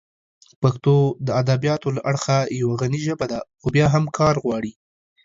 پښتو د ادبیاتو له اړخه یوه غني ژبه ده، خو بیا هم کار غواړي.